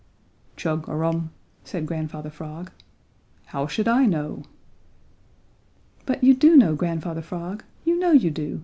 "Chug a rum," said Grandfather Frog. "How should I know?" "But you do know, Grandfather Frog, you know you do.